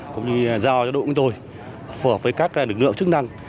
thì giao cho đội quân tôi phù hợp với các lực lượng chức năng